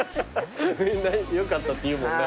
みんなよかったって言うもんな。